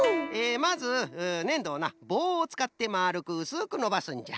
まずねんどをなぼうをつかってまるくうすくのばすんじゃ。